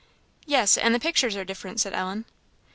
"Yes, and the pictures are different," said Ellen.